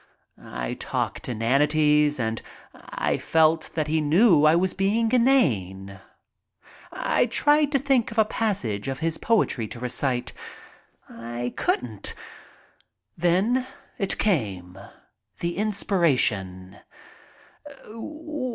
I talked inanities and I felt that he knew I was being inane. I tried to think of a passage of his poetry to recite. I couldn't. Then it came — the inspiration.